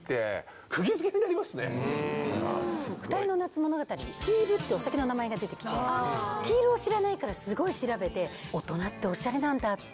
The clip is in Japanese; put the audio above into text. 『ふたりの夏物語』でキールってお酒の名前が出てきてキールを知らないからすごい調べて「大人ってオシャレなんだ」って。